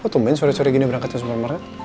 kok tumpen sore sore gini berangkat ke supermarket